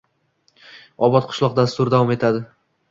“Obod qishloq” dasturi davom etadi